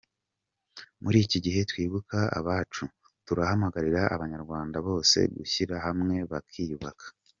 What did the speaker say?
Muri iki gihe twibuka abacu turahamagarira Abanyarwanda bose gushyira hamwe bakiyubaka.